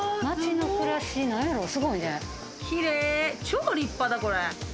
超立派だ、これ。